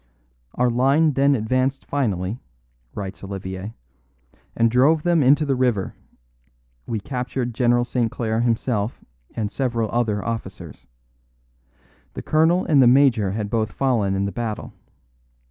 'Our line then advanced finally,' writes Olivier, 'and drove them into the river; we captured General St. Clare himself and several other officers. The colonel and the major had both fallen in the battle.